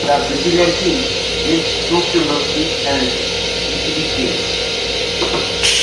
The vigilantes lynched two criminals being held in city jails.